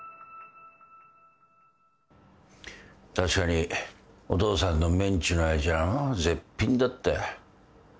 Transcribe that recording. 確かにお父さんのメンチの味はまあ絶品だった。